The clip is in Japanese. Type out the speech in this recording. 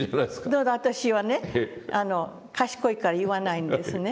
だから私はね賢いから言わないんですね。